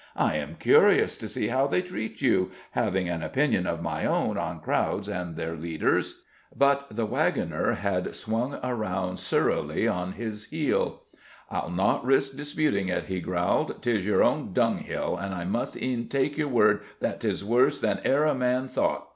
I am curious to see how they treat you having an opinion of my own on crowds and their leaders." But the wagoner had swung about surlily on his heel. "I'll not risk disputing it," he growled. "'Tis your own dung hill, and I must e'en take your word that 'tis worse than e'er a man thought.